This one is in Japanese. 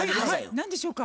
何でしょうか？